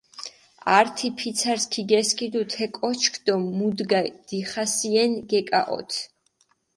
ართი ფიცარს ქიგესქიდუ თე კოჩქ დო მუდგა დიხასიენ გეკაჸოთჷ.